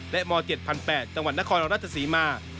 และม๗๘๐๐จังหวัดนครราชศรีมา